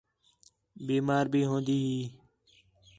بیمار بھی ہون٘دی ہی